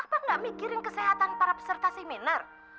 apa nggak mikirin kesehatan para peserta seminar